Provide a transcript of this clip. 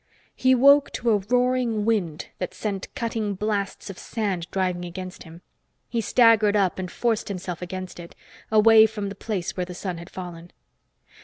He woke to a roaring wind that sent cutting blasts of sand driving against him. He staggered up and forced himself against it, away from the place where the sun had fallen.